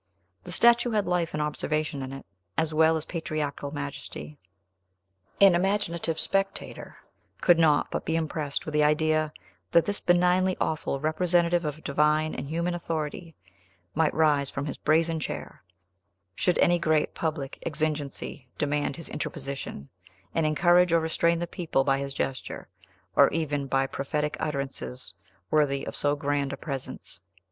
The statue had life and observation in it, as well as patriarchal majesty. An imaginative spectator could not but be impressed with the idea that this benignly awful representative of divine and human authority might rise from his brazen chair, should any great public exigency demand his interposition, and encourage or restrain the people by his gesture, or even by prophetic utterances worthy of so grand a presence.